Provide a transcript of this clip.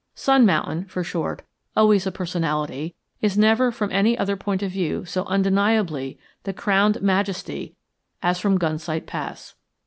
Sun Mountain (for short), always a personality, is never from any other point of view so undeniably the crowned majesty as from Gunsight Pass.